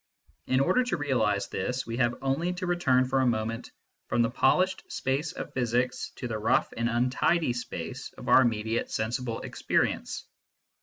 In order to realise this we have only to return for a moment from the polished space of physics to the rough and untidy space of our immediate sensible experience.